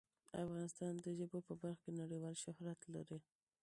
افغانستان د ژبو په برخه کې نړیوال شهرت لري.